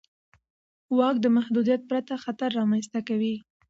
واک د محدودیت پرته خطر رامنځته کوي.